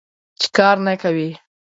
چې کار نه کوې.